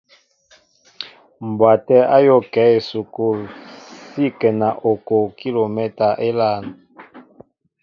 Mbwaté a yól kέ a esukul si ŋkέŋa okoʼo kilomɛta élāān.